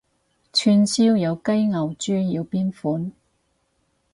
串燒有雞牛豬要邊款？